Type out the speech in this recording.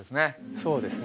そうですね